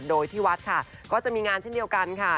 โดยที่วัดค่ะก็จะมีงานเช่นเดียวกันค่ะ